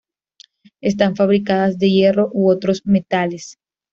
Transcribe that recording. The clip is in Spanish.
Están fabricadas de hierro u otros metales.